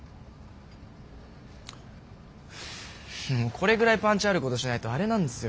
これぐらいパンチあることしないとあれなんですよ。